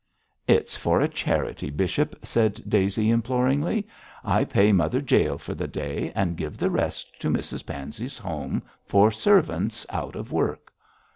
'It's for a charity, bishop,' said Daisy, imploringly. 'I pay Mother Jael for the day, and give the rest to Mrs Pansey's Home for servants out of work.'